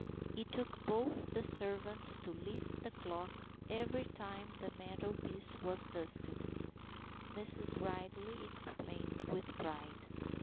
It took both the servants to lift the clock every time the mantelpiece was dusted, Mrs. Ridley explained with pride.